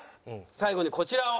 最後にこちらを。